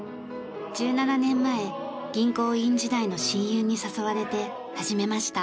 １７年前銀行員時代の親友に誘われて始めました。